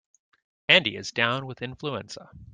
Andy is down with influenza.